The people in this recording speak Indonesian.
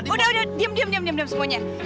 udah udah diam diam diam semuanya